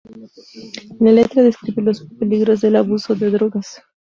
La letra describe los peligros del abuso de drogas.